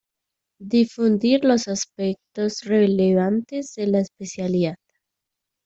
Difundir los aspectos relevantes de la especialidad.